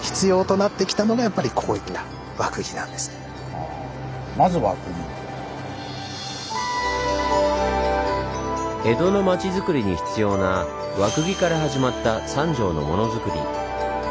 ああ江戸の町づくりに必要な和釘から始まった三条のモノづくり。